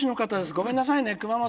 ごめんなさいね熊本。